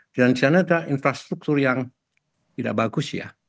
dan di sana ada infrastruktur yang tidak bagus ya